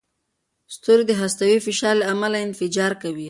ستوري د هستوي فشار له امله انفجار کوي.